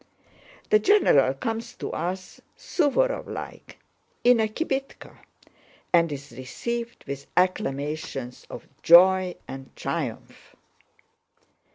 The general comes to us, Suvórov like, in a kibítka, and is received with acclamations of joy and triumph.